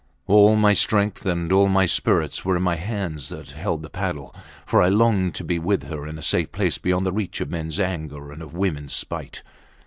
All my strength and all my spirit were in my hands that held the paddle for I longed to be with her in a safe place beyond the reach of mens anger and of womens spite.